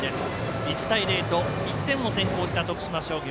１対０と１点を先行した徳島商業。